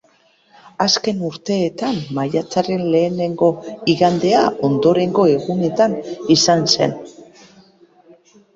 Azken urteetan maiatzaren lehenengo igandea ondorengo egunetan izan zen.